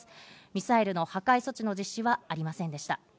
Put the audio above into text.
ミサイルの破壊措置の実施はありませんでした。